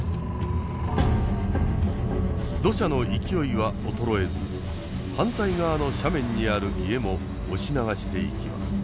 土砂の勢いは衰えず反対側の斜面にある家も押し流していきます。